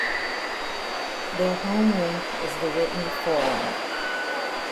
Their home rink is the Whitney Forum.